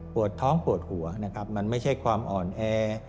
ปวดท้องปวดหัวนะครับมันไม่ใช่ความอ่อนแอ